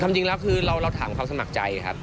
จริงแล้วคือเราถามความสมัครใจครับ